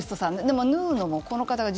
でも縫うのも、この方が。